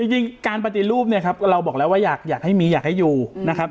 จริงการปฏิรูปเนี่ยครับเราบอกแล้วว่าอยากให้มีอยากให้อยู่นะครับ